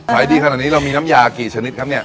ขายดีขนาดนี้เรามีน้ำยากี่ชนิดครับเนี่ย